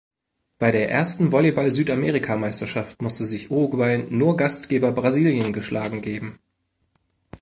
Bei der ersten Volleyball-Südamerikameisterschaft musste sich Uruguay nur Gastgeber Brasilien geschlagen geben.